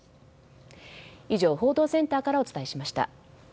以上、報道センターからお伝えしました。